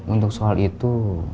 untuk soal itu